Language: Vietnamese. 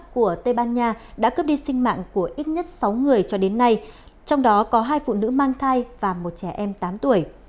của tây ban nha đã cướp đi sinh mạng của ít nhất sáu người cho đến nay trong đó có hai phụ nữ mang thai và một trẻ em tám tuổi